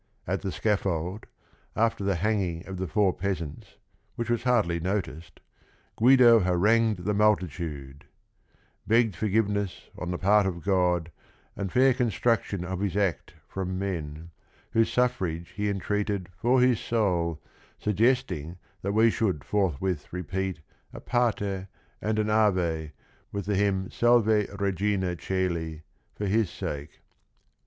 At the scaffold, after the hanging of the four peasants, which was hardly noticed, Guido harangued the multitude, "begged forgiveness on the part of God And fair construction of his act from men, Whose suffrage he entreated for his soul, Suggesting that we should forthwith repeat A Pater and an Ave, with the hymn Salve Regina Cceli, for his sake.